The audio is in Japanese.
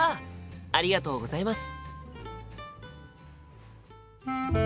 ありがとうございます。